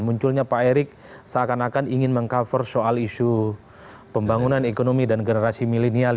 munculnya pak erik seakan akan ingin meng cover soal isu pembangunan ekonomi dan generasi milenial